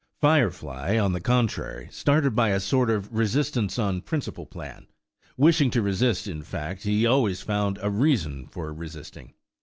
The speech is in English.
Firefly, on the contrary, started by a sort of resistance on principle plan. Wishing to resist, in fact, he always found a reason for resisting.